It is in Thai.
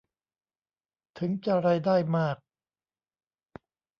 ถึงจะรายได้มาก